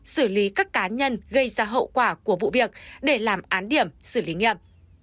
xử lý các cá nhân gây ra hậu quả của vụ việc để làm án điểm xử lý nghiệm